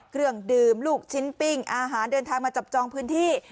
เครื่องดื่มลูกชิ้นปิ้งอาหารเดินทางมาจับจองพื้นที่